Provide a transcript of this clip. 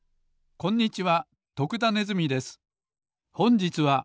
こんにちは。